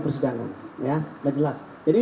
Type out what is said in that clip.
persidangan ya sudah jelas jadi